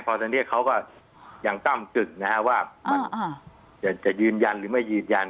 เพราะทั้งที่เขาก็ยังกล้ำกึ่งนะฮะว่าว่ามันจะยืนยันหรือไม่ยืนยัน